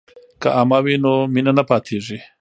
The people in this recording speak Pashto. که عمه وي نو مینه نه پاتیږي.